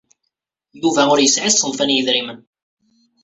Yuba ur yesɛi ṣṣenf-a n yedrimen.